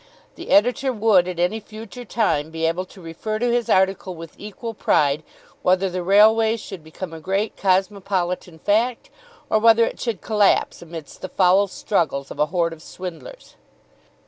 The Editor would at any future time be able to refer to his article with equal pride whether the railway should become a great cosmopolitan fact, or whether it should collapse amidst the foul struggles of a horde of swindlers.